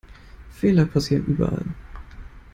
Fehler passieren überall.